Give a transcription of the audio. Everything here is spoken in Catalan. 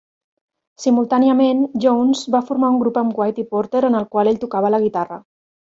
Simultàniament, Jones va formar un grup amb White i Porter en el qual ell tocava la guitarra.